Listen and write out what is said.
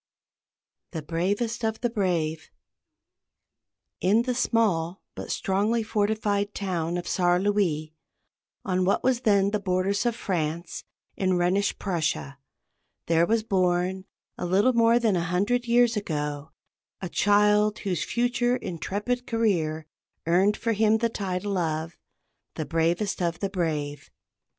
"THE BRAVEST OF THE BRAVE." In the small but strongly fortified town of Saar Louis, on what was then the borders of France, in Rhenish Prussia, there was born, a little more than a hundred years ago, a child whose future intrepid career earned for him the title of "the bravest of the brave."